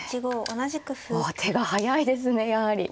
あ手が速いですねやはり。